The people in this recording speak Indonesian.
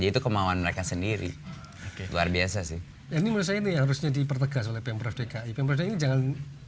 itu kemauan mereka sendiri luar biasa sih ini harusnya dipertegas oleh pembro fdki perjanjian